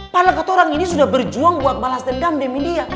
padahal ketorong ini sudah berjuang buat balas dendam demi dia